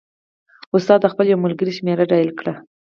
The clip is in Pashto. استاد د خپل یو بل ملګري شمېره ډایله کړه.